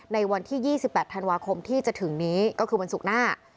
ในวันที่๒๘ธันวาคมที่จะถึงนี้ก็คือวันศุกร์หน้า